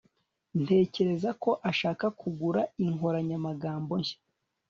Ntekereza ko ashaka kugura inkoranyamagambo nshya